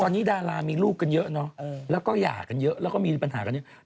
ตอนนี้ดารามีลูกกันเยอะเนอะแล้วก็หย่ากันเยอะแล้วก็มีปัญหากันเยอะ